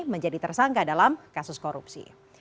menjadi tersangka dalam kasus korupsi